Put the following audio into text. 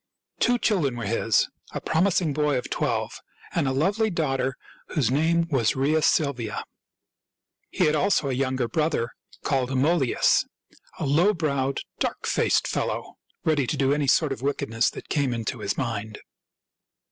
Two children were his — a promising boy of twelve and a lovely daughter whose name was Rhea Silvia. He had also a younger brother called Amulius, a low browed, dark faced fellow, ready to do any sort of wickedness that came into his mind.